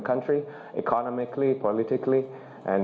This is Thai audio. ผู้ชายมันไม่กลัวโปรดแรง